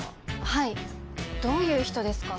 はいどういう人ですか？